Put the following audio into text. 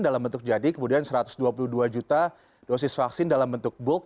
dalam bentuk jadi kemudian satu ratus dua puluh dua juta dosis vaksin dalam bentuk book